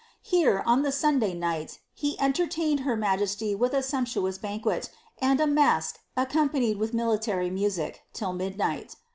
Here, on the Sunday night, he en tertained her majesty with a sumptuous banquet, and a mask accompa nied with military music, till midnight.